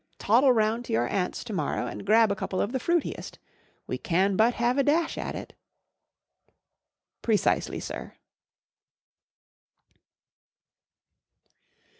Toddle round to your aunt's to morrow and grab a couple of the fruitiest. We can but have a dash at it/' " Precisely, sir."